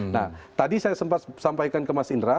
nah tadi saya sempat sampaikan ke mas indra